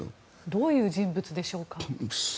どういう人物でしょうか？